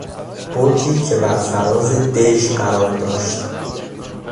برجی که برفراز دژ قرار داشت